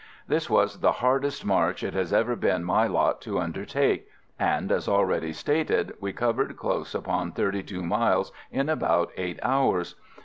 This was the hardest march it has ever been my lot to undertake, and, as already stated, we covered close upon 32 miles in about eight hours.